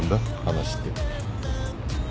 話って。